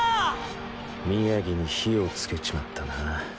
宮城に火を付けちまったな